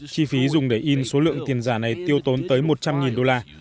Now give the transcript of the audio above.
chi phí dùng để in số lượng tiền giả này tiêu tốn tới một trăm linh đô la